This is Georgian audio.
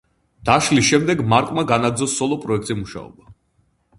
დაშლის შემდეგ მარკმა განაგრძო სოლო პროექტებზე მუშაობა.